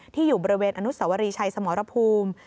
อยู่บริเวณอนุสวรีชัยสมรภูมิ